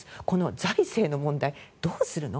財政の問題どうするの。